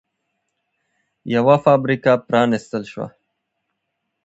یوه فابریکه پرانېستل شوه